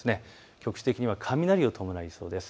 局地的には雷を伴いそうです。